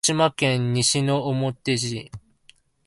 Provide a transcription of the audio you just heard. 鹿児島県西之表市